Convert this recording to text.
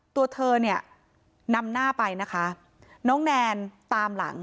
ตัวเธอเนี่ยนำหน้าไปนะคะน้องแนนตามหลัง